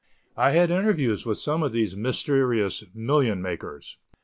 I had interviews with some of these mysterious million makers.